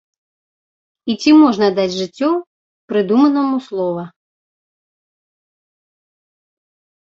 І ці можна даць жыццё прыдуманаму слова?